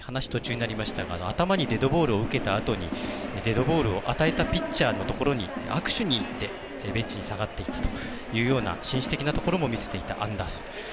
頭にデッドボールを受けたあとにデッドボールを与えたピッチャーのところに握手に行って、ベンチに下がっていったというような紳士的なところも見せていたアンダーソン。